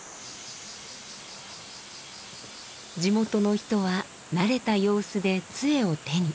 地元の人は慣れた様子でつえを手に。